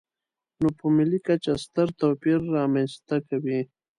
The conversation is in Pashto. نو په ملي کچه ستر توپیر رامنځته کوي.